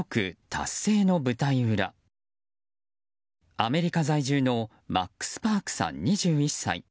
アメリカ在住のマックス・パークさん、２１歳。